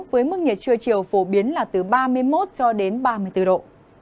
với mức nhiệt trưa chiều phổ biến là từ ba mươi một cho đến ba mươi bốn độ